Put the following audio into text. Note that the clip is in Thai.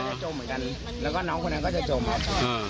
จมเหมือนกันแล้วก็น้องคนนั้นก็จะจมครับ